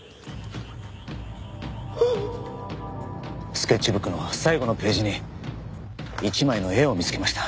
スケッチブックの最後のページに一枚の絵を見つけました。